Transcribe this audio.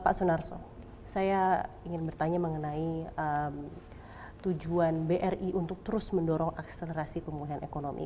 pak sunarso saya ingin bertanya mengenai tujuan bri untuk terus mendorong akselerasi pemulihan ekonomi